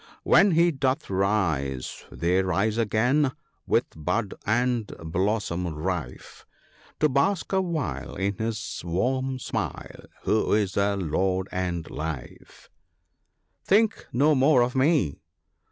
When he doth rise they rise again with bud and blossom rife, To bask awhile in his warm smile, who is their lord and life." "Think no more of me."